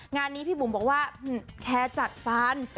งานนี้พี่บุ๋มบอกว่าแคร์จัดฟัน